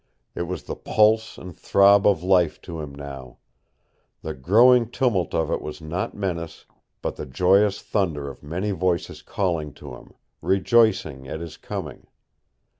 It was the pulse and throb of life to him now. The growing tumult of it was not menace, but the joyous thunder of many voices calling to him, rejoicing at his coming.